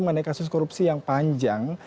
mengenai kasus korupsi yang panjang